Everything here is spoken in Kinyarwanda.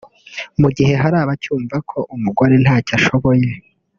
mu gihe hari abacyumva ko umugore ntacyo ashoboye